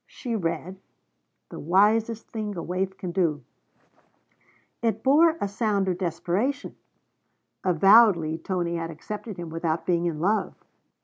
She read: 'The wisest thing a waif can do.' It bore a sound of desperation. Avowedly Tony had accepted him without being in love.